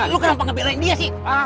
lu kenapa ngebelain dia sih